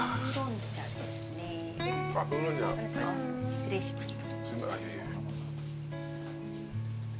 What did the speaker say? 失礼しました。